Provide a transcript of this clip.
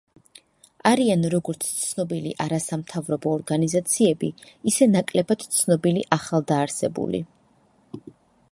კოალიციაში გაერთიანებული არიან როგორც ცნობილი არასამათავრობო ორგანიზაციები, ისე ნაკლებად ცნობილი, ახალდაარსებული ორგანიზაციები.